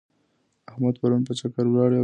احمد پرون په چکر ولاړی او ډېر خوښ و.